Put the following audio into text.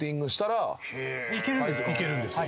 いけるんですか？